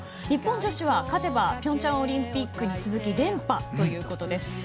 日本女子は勝てば平昌オリンピックに続き連覇ということです。